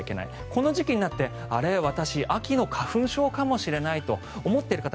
この時期になってあれ、私秋の花粉症かもしれないと思っている方